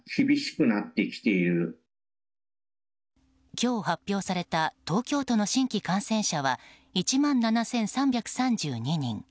今日発表された、東京都の新規感染者は１万７３３２人。